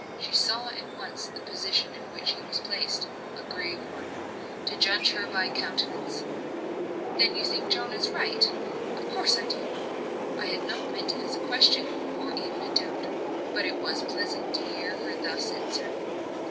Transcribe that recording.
She saw at once the position in which he was placed; a grave one, to judge by her countenance. "Then you think John is right?" "Of course I do." I had not meant it as a question, or even a doubt. But it was pleasant to hear her thus answer.